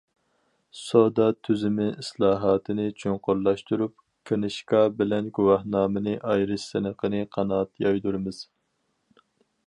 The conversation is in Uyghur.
سودا تۈزۈمى ئىسلاھاتىنى چوڭقۇرلاشتۇرۇپ، كىنىشكا بىلەن گۇۋاھنامىنى ئايرىش سىنىقىنى قانات يايدۇرىمىز.